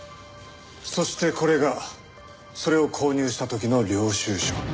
そしてこれがそれを購入した時の領収書。